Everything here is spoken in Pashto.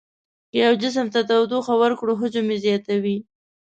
که یو جسم ته تودوخه ورکړو حجم یې زیاتوي.